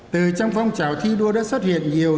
từ trong phong trào thi đua đã xuất hiện nhiều điển hướng